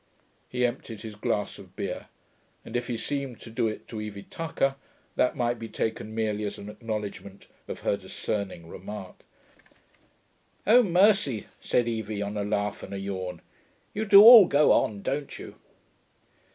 He emptied his glass of beer, and if he seemed to do it to Evie Tucker, that might be taken merely as acknowledgment of her discerning remark. 'Oh, mercy,' said Evie, on a laugh and a yawn. 'You do all go on, don't you.'